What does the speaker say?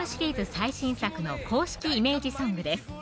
最新作の公式イメージソングです